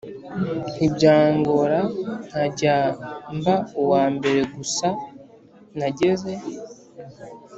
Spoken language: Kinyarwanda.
ntibyangora nkajya mba uwambere gusa nageze